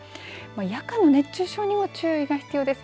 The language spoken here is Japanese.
夜間の熱中症にも注意が必要です。